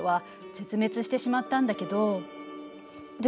絶滅してしまったんだけど？